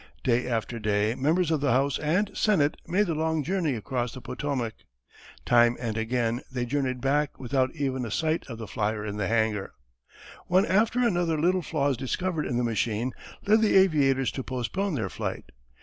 Day after day members of the House and Senate made the long journey across the Potomac. Time and again they journeyed back without even a sight of the flyer in the hangar. One after another little flaws discovered in the machine led the aviators to postpone their flight.